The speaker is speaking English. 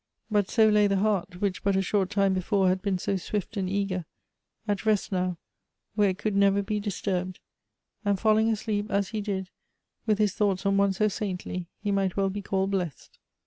But so lay the heart, which but a short time before had been so swift and eager, at rest now, where it could never be disturbed ; and falling asleep, as he did, with his thoughts on one so saintly, he might well be called blessed.